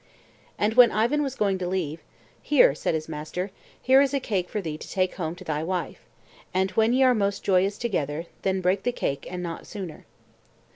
And when Ivan was going to leave, "Here," said his master, "here is a cake for thee to take home to thy wife, and, when ye are most joyous together, then break the cake, and not sooner."